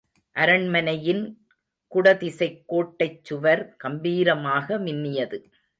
அரண்மனையின் குடதிசைக் கோட்டைச் சுவர் கம்பீரமாக மின்னியது.